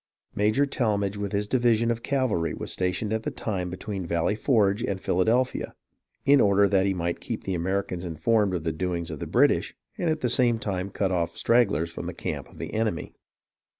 Major Tallmadge with his division of cavalry was stationed at the time be tween Valley Forge and Philadelphia, in order that he might keep the Americans informed of the doings of the British, and at the same time cut off stragglers from the camp of the enemy.